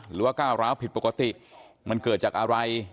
หรือว่าก้าวร้าวผิดปกติมันเกิดจากอะไร